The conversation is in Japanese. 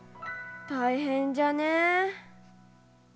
大変じゃねえ。